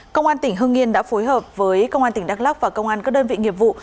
công an tỉnh hưng yên đã phối hợp với công an tỉnh đắk lắc và công an các đơn vị nghiệp vụ